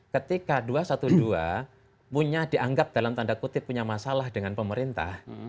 ketika dua ratus dua belas punya dianggap dalam tanda kutip punya masalah dengan pemerintah